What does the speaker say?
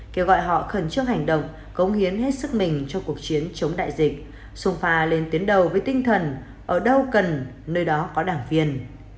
kêu gọi họ khẩn trương hành động cống hiến hết sức mình cho cuộc chiến chống đại dịch son pha lên tuyến đầu với tinh thần ở đâu cần nơi đó có đảng viên